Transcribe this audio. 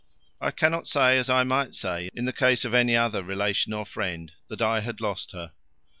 I cannot say, as I might say in the case of any other relation or friend, that I had lost her.